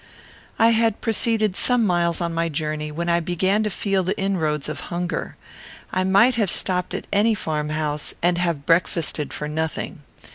I had proceeded some miles on my journey, when I began to feel the inroads of hunger. I might have stopped at any farm house, and have breakfasted for nothing.